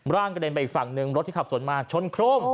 กระเด็นไปอีกฝั่งหนึ่งรถที่ขับสวนมาชนโครม